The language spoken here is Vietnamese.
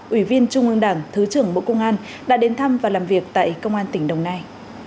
ủy viên trung ương đảng thứ trưởng bộ công an đã đến thăm và làm việc tại công an tỉnh đồng nai